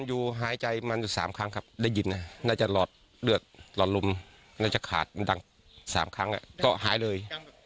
อยู่หายใจมันสามครั้งครับได้ยินโทรดเรือดหล่อลมซักขาดไม่ดังสามครั้งก็หายเลย